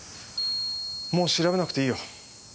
もう調べなくていいよ。